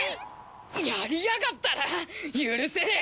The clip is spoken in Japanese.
やりやがったな許せねえ！